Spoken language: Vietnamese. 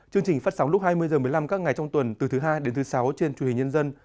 chương trình phát sóng lúc hai mươi h một mươi năm các ngày trong tuần từ thứ hai đến thứ sáu trên truyền hình nhân dân